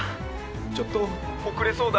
ちょっと遅れそうだ。